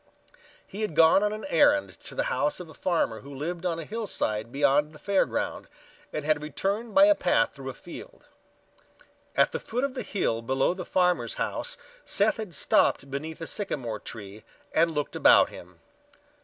He had gone on an errand to the house of a farmer who lived on a hillside beyond the Fair Ground and had returned by a path through a field. At the foot of the hill below the farmer's house Seth had stopped beneath a sycamore tree and looked about him.